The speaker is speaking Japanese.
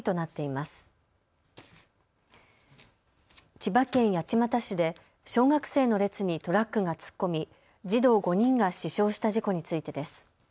千葉県八街市で小学生の列にトラックが突っ込み児童５人が死傷した事故についてです。